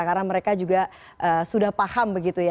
karena mereka juga sudah paham